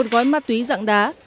một mươi một gói ma túy dạng đá